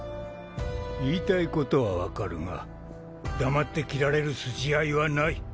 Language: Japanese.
言いたいことは分かるが黙って斬られる筋合いはない。